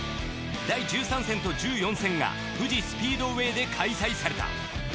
第１３戦と１４戦が富士スピードウェイで開催された。